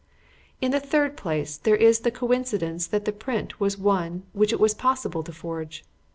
"In the third place, there is the coincidence that the print was one which it was possible to forge.